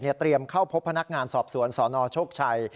เตรียมเข้าพบพนักงานสอบสวนสนโชคชัย